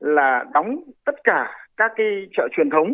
là đóng tất cả các chợ truyền thống